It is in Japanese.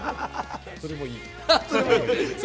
それもいい。